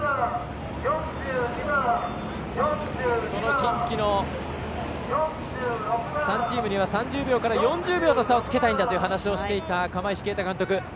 近畿の３チームには３０秒から４０秒の差をつけたいんだという話をしていた釜石慶太監督。